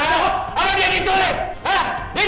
apa dia diculik